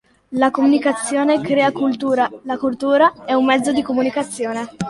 La comunicazione crea cultura: la cultura è un mezzo di comunicazione.